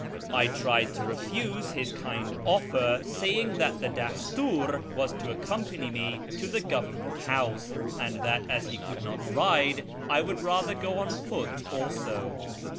I tried to refuse his kind offer, saying that the Dastur was to accompany me to the Govern ment house, and that as he could not ride I would rather go on foot also.